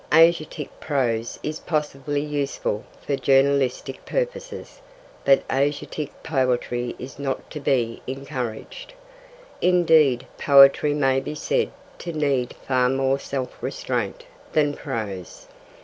'Asiatic' prose is possibly useful for journalistic purposes, but 'Asiatic' poetry is not to be encouraged. Indeed, poetry may be said to need far more self restraint than prose.